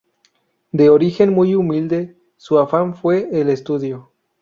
De origen muy humilde, su afán fue el estudio.